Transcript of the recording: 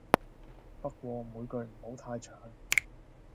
不過每句唔好太長